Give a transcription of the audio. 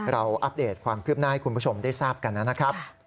อัปเดตความคืบหน้าให้คุณผู้ชมได้ทราบกันนะครับ